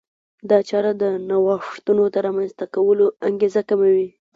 دا چاره د نوښتونو د رامنځته کولو انګېزه کموي.